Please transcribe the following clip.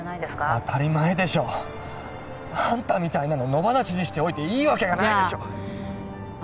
当たり前でしょあんたみたいなの野放しにしておいていいわけがないでしょじゃあ